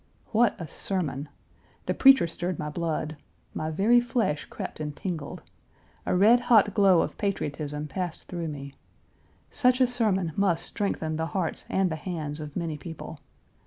What a sermon! The preacher stirred my blood. My very flesh crept and tingled. A red hot glow of patriotism passed through me. Such a sermon must strengthen the hearts and the hands of many people.